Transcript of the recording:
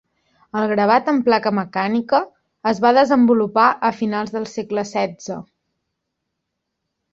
El gravat en placa mecànica es va desenvolupar a finals del segle XVI.